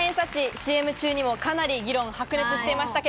ＣＭ中にかなり議論が白熱していました。